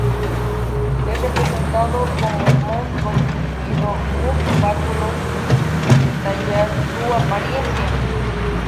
Es representado como un monstruo sosteniendo un báculo, sin detallar su apariencia.